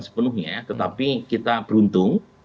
sepenuhnya tetapi kita beruntung